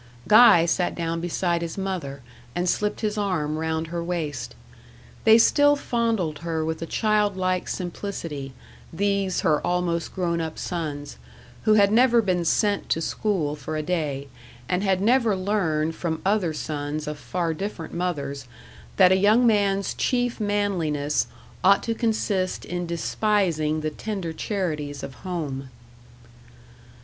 Guy sat down beside his mother, and slipped his arm round her waist. They still fondled her with a child like simplicity these her almost grown up sons; who had never been sent to school for a day, and had never learned from other sons of far different mothers, that a young man's chief manliness ought to consist in despising the tender charities of home.